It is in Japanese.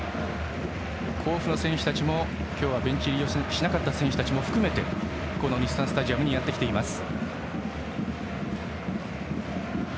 甲府の選手たちもベンチ入りしなかった選手を含めこの日産スタジアムにやってきています。